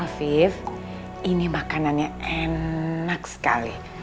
afif ini makanannya enak sekali